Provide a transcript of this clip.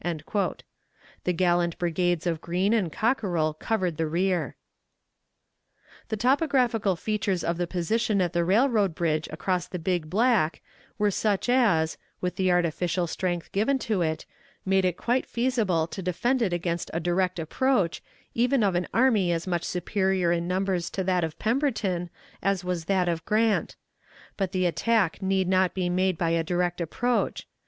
The gallant brigades of Green and Cockerell covered the rear. The topographical features of the position at the railroad bridge across the Big Black were such as, with the artificial strength given to it, made it quite feasible to defend it against a direct approach even of an army as much superior in numbers to that of Pemberton as was that of Grant; but the attack need not be made by a direct approach.